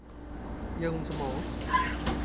เยื่อหุ้มสมอง